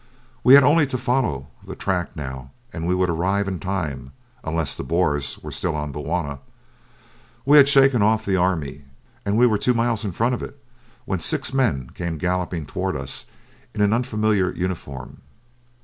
We had only to follow the track now and we would arrive in time unless the Boers were still on Bulwana. We had shaken off the army, and we were two miles in front of it, when six men came galloping toward us in an unfamiliar uniform.